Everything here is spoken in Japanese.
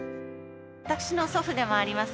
私の祖父でもあります